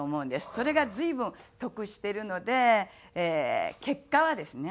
それが随分得してるので結果はですね